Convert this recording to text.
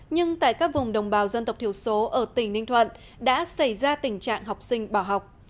nhưng tại các vùng đồng bào dân tộc thiểu số ở tỉnh ninh thuận đã xảy ra tình trạng học sinh bỏ học